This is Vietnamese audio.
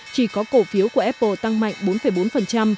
chỉ có cổ phiếu của apple tăng mạnh bốn bốn